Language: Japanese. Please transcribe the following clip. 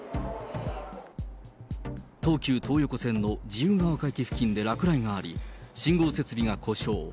東急東横線の自由が丘駅付近で落雷があり、信号設備が故障。